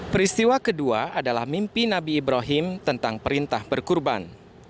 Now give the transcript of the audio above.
peristiwa kedua adalah mimpi nabi ibrahim tentang perintah berkurban